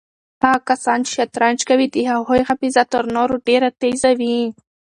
هغه کسان چې شطرنج کوي د هغوی حافظه تر نورو ډېره تېزه وي.